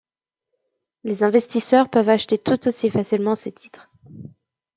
Les investisseurs peuvent acheter tout aussi facilement ces titres.